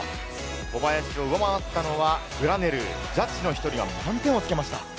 小林を上回ったのはグラネルー、ジャッジの１人は満点をつけました。